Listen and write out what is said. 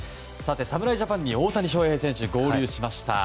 侍ジャパンに大谷翔平選手が合流しました。